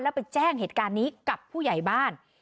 แล้วไปแจ้งเหตุการณ์นี้กับผู้ใหญ่บ้าน